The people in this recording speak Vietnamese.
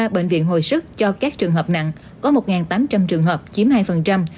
ba bệnh viện hồi sức cho các trường hợp nặng có một tám trăm linh trường hợp chiếm hai